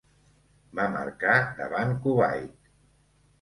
Va marcar davant Kuwait.